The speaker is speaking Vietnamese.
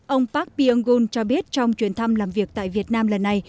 ông park byung gun cho biết trong chuyến thăm làm việc tại việt nam lần này